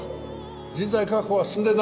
人材確保は進んでるな？